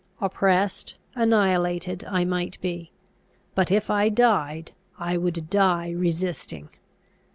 Oppressed, annihilated I might be; but, if I died, I would die resisting.